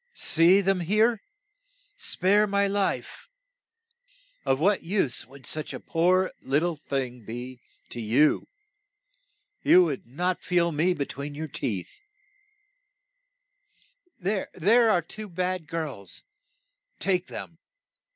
See, them there ! Spare my life ! Of what use would such a poor lit tle thing be to you? You would not feel me be tween your teeth. There are two bad girls ; take them.